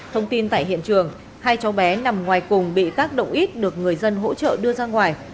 thông tin tại hiện trường hai cháu bé nằm ngoài cùng bị tác động ít được người dân hỗ trợ đưa ra ngoài